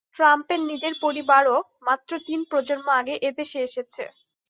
ট্রাম্পের নিজের পরিবারও মাত্র তিন প্রজন্ম আগে এ দেশে এসেছে।